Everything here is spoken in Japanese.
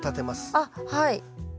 あっはい。